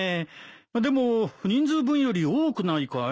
でも人数分より多くないかい？